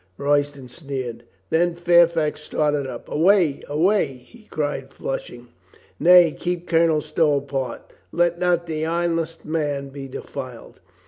Roy ston sneered. Then Fairfax started up. "Away ! Away !" he cried, flushing. "Nay, keep Colonel Stow apart. Let not the honest man be defiled."